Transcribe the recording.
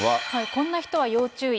こんな人は要注意。